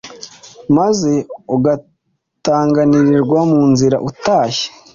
maze ugatangarirwa munzira utashye